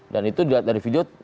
dan itu dari video